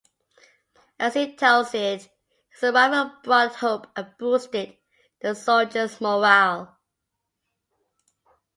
As he tells it, his arrival brought hope and boosted the soldiers' morale.